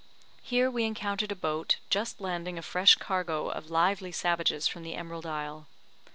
Here we encountered a boat, just landing a fresh cargo of lively savages from the Emerald Isle.